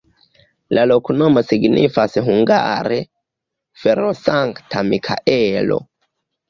La loknomo signifas hungare: fero-Sankta Mikaelo.